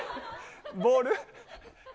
ボール。